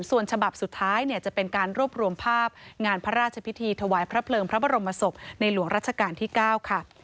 ส่วนฉบับสุดท้ายเนี่ยจะเป็นการรวบรวมภาพงานพระราชพิธีถวายพระเพลิงพระบรมศพในหลวงรัชกาลที่๙ค่ะ